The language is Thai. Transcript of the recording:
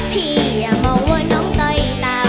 พี่อย่ามองว่าน้องใจต่ำ